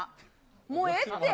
もうええって。